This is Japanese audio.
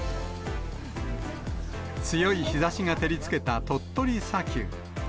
強い日ざしが照りつけた鳥取砂丘。